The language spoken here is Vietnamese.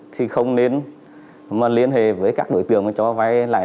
thì không nên liên hệ với các đối tượng cho vay